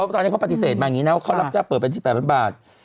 ตอนนี้เขาปฏิเสธมาอย่างนี้นะว่าเขารับจ้างเปิดเป็นที่๘๐๐บาท